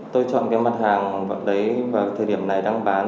tôi chọn cái mặt hàng vào đấy và thời điểm này đang bán